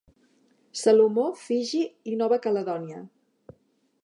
Salomó, Fiji i Nova Caledònia.